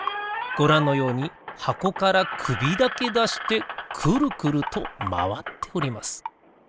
ごらんのようにはこからくびだけだしてくるくるとまわっております。